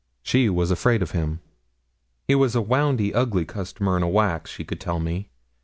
She was afraid of him. He was a 'woundy ugly customer in a wax, she could tell me.'